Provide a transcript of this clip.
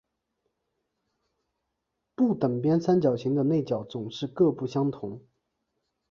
不等边三角形的内角总是各不相同。